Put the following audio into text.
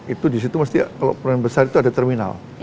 itu di situ kalau perumahan besar itu ada terminal